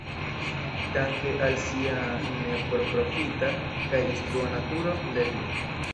Danke al sia ne-porprofita kaj instrua naturo, "lernu!